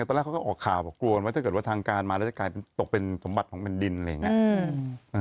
ตอนแรกเขาก็ออกข่าวบอกกลัวว่าถ้าเกิดว่าทางการมาแล้วจะกลายเป็นตกเป็นสมบัติของแผ่นดินอะไรอย่างนี้